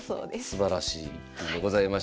すばらしい逸品でございました。